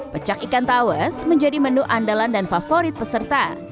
pecak ikan tawes menjadi menu andalan dan favorit peserta